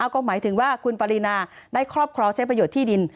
ก็หมายถึงว่าคุณปรินาได้ครอบครองใช้ประโยชน์ที่ดิน